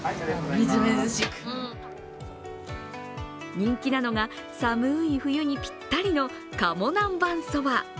人気なのが、寒い冬にぴったりの鴨南蛮そば。